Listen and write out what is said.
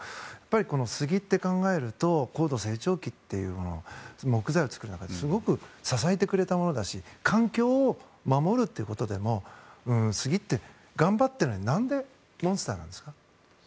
スギって考えると高度成長期に木材を作るのをすごく支えてくれたものだし環境を守るということでもスギって頑張っているのに何でモンスターなんですか？